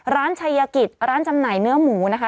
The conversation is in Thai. ชายกิจร้านจำหน่ายเนื้อหมูนะคะ